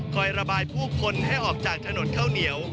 ระบายผู้คนให้ออกจากถนนข้าวเหนียว